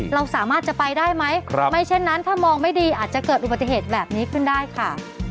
เราสามารถจะไปได้ไหมไม่เช่นนั้นถ้ามองไม่ดีอาจจะเกิดอุบัติเหตุแบบนี้ขึ้นได้ค่ะ